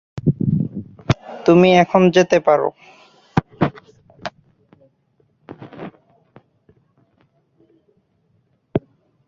তুমি এখন যেতে পারো।